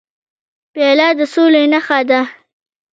پیاله د سولې نښه ده.